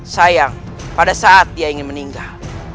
sayang pada saat dia ingin meninggal